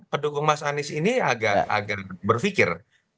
pendukung mas anies ini agak berfikir